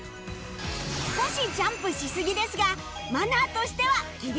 少しジャンプしすぎですがマナーとしてはギリギリオーケー